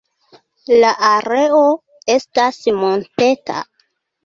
La areo estas monteta.